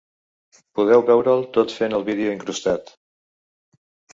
Podeu veure’l tot fent al vídeo incrustat.